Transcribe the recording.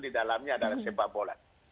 di dalamnya adalah sepak bola